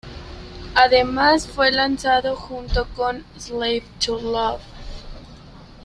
Además, fue lanzado junto con "Slave to love".